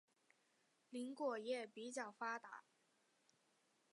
林果业比较发达。